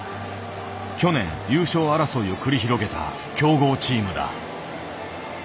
去年優勝争いを繰り広げた強豪チームだ。